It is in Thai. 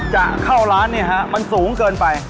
จะเข้าร้านเนี่ยฮะมันสูงเกินไป